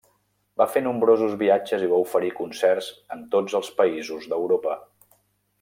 Va fer nombrosos viatges i va oferir concerts en tots els països d'Europa.